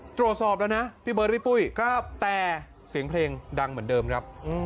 ตรวจสอบแล้วนะพี่เบิร์ดพี่ปุ้ยแต่เสียงเพลงดังเหมือนเดิมครับ